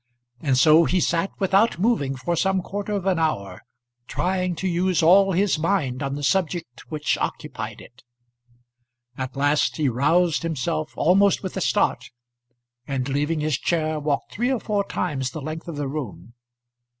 And so he sat without moving for some quarter of an hour, trying to use all his mind on the subject which occupied it. At last he roused himself, almost with a start, and leaving his chair, walked three or four times the length of the room.